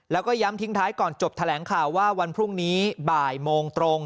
แล้วก็ย้ำทิ้งท้ายก่อนจบแถลงข่าวว่าวันพรุ่งนี้บ่ายโมงตรง